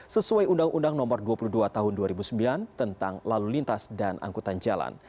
sesuai undang undang nomor dua puluh dua tahun dua ribu sembilan tentang lalu lintas dan angkutan jalan